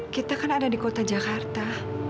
kita kan ada di kota jakarta